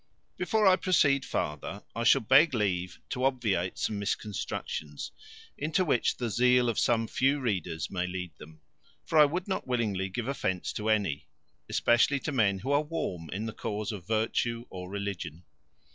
Before I proceed farther, I shall beg leave to obviate some misconstructions into which the zeal of some few readers may lead them; for I would not willingly give offence to any, especially to men who are warm in the cause of virtue or religion.